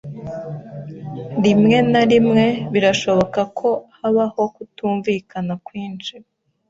Rimwe na rimwe birashoboka ko habaho kutumvikana kwinshi.